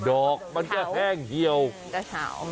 ดอกมันจะแห้งเฮียวจะเฉา